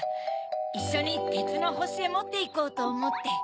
いっしょにてつのほしへもっていこうとおもって。